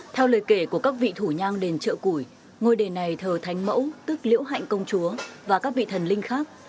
theo lời kể của các vị thủ nhang đền chợ củi ngôi đền này thờ thánh mẫu tức liễu hạnh công chúa và các vị thần linh khác